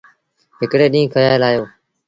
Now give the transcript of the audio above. هڪڙي ڏيٚݩهݩ کيآل آيو۔